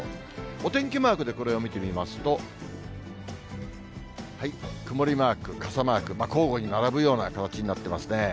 お天気マークでこれを見てみますと、曇りマーク、傘マーク、交互に並ぶような形になってますね。